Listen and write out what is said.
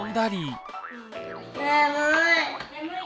眠い。